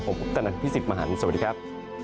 ผมกุ๊บตะนั้นพี่สิทธิ์มหันสวัสดีครับ